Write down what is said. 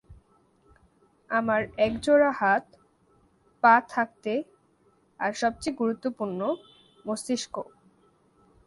আমার এক জোড়া হাত, পা থাকতে, আর সবচেয়ে গুরুত্বপূর্ণ, মস্তিষ্ক।